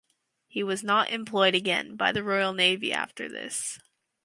He was not employed again by the Royal Navy after this.